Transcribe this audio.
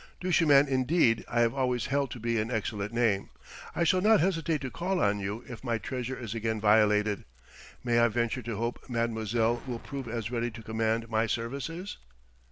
(Duchemin, indeed, I have always held to be an excellent name.) I shall not hesitate to call on you if my treasure is again violated. May I venture to hope mademoiselle will prove as ready to command my services?"